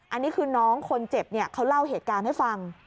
อันนี้คือน้องคนเจ็บเขาเล่าเหตุการณ์ให้ฟัง